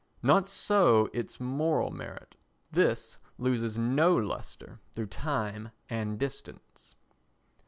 Not so its moral merit: this loses no lustre through time and distance.